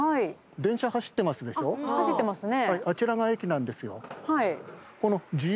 走ってますね。